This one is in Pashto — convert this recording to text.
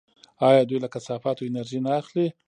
آیا دوی له کثافاتو انرژي نه اخلي؟